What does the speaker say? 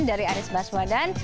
dari aris baswadan